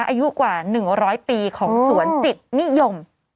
อายุกว่า๑๐๐ปีของสวนจิตนิยม